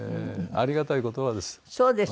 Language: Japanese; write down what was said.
ありがたい言葉です。